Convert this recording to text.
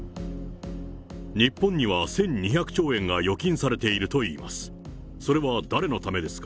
日本には１２００兆円が預金されているといいます。